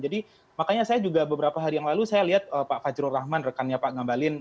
jadi makanya saya juga beberapa hari yang lalu saya lihat pak fajrul rahman rekannya pak ngambalin